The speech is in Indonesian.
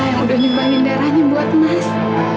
amirah yang sudah menyumbangkan darahnya buat mas